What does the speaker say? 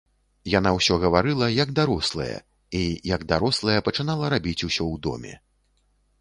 Яна ўсё гаварыла, як дарослая, і, як дарослая, пачынала рабіць усё ў доме.